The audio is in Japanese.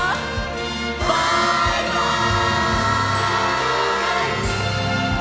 バイバイ！